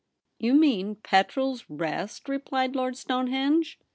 * You mean Petrel's Rest ?' replied Lord Stonehenge.